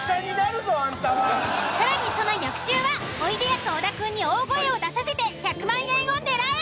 更にその翌週はおいでやす小田くんに大声を出させて１００万円を狙え。